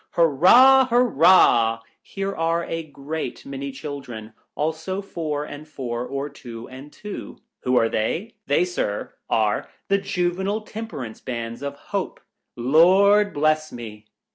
Hurrah ! hurrah ! Here are a great many children, also four and four, or two and two. Who are they ?— They, Sir, are the Juvenile Temperance Bands of Hope. — Lord bless me